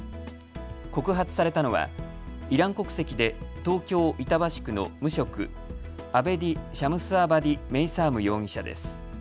告発されたのはイラン国籍で東京板橋区の無職、アベディ・シャムスアバディ・メイサーム容疑者です。